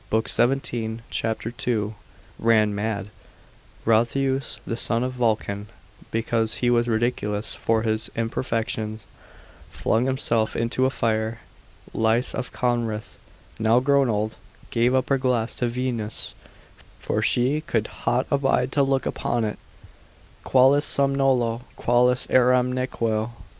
17, c. 2,) ran mad. Brotheus, the son of Vulcan, because he was ridiculous for his imperfections, flung himself into the fire. Lais of Corinth, now grown old, gave up her glass to Venus, for she could hot abide to look upon it. Qualis sum nolo, qualis eram nequeo.